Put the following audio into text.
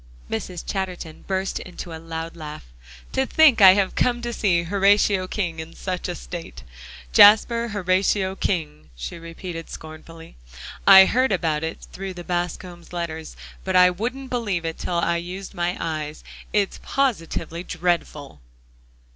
Mrs. Chatterton burst into a loud laugh. "To think I have come to see Horatio King in such a state! Jasper Horatio King!" she repeated scornfully. "I heard about it through the Bascombs' letters, but I wouldn't believe it till I used my eyes. It's positively dreadful!"